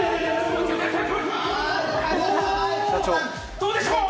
どうでしょう？